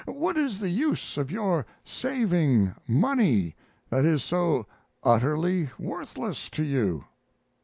What is the use of your saving money that is so utterly worthless to you?